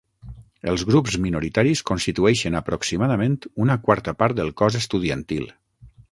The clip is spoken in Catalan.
Els grups minoritaris constitueixen aproximadament una quarta part del cos estudiantil.